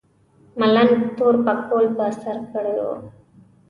ملنګ تور پکول په سر کړی و.